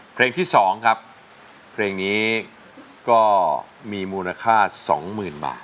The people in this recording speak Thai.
เพลงที่๒ครับเพลงนี้ก็มีมูลค่า๒๐๐๐บาท